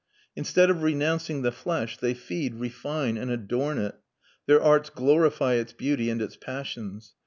Instead of renouncing the flesh, they feed, refine, and adorn it; their arts glorify its beauty and its passions.